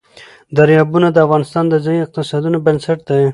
دریابونه د افغانستان د ځایي اقتصادونو بنسټ دی.